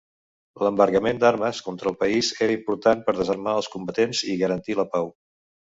L'embargament d'armes contra el país era important per desarmar els combatents i garantir la pau.